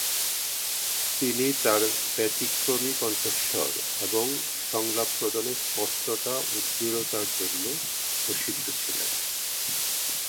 তিনি তার ব্যতিক্রমী কণ্ঠস্বর এবং সংলাপ প্রদানে স্পষ্টতা ও দৃঢ়তার জন্য প্রসিদ্ধ ছিলেন।